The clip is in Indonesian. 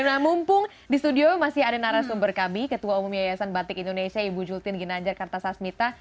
nah mumpung di studio masih ada narasumber kami ketua umum yayasan batik indonesia ibu jultin ginanjar kartasasmita